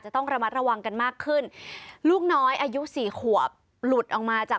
ต้องขอบคุณคันนี้เลยนะ